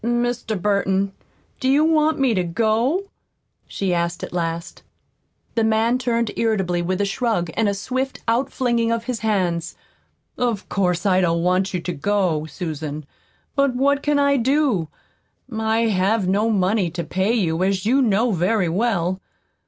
"Mr. Burton, do you want me to go?" she asked at last. The man turned irritably, with a shrug, and a swift outflinging of his hands. "Of course, I don't want you to go, Susan. But what can I do? I have no money to pay you, as you know very well.